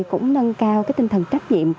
cũng nâng cao tinh thần trách nhiệm